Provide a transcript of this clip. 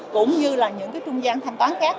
cũng như là những trung gian thanh toán khác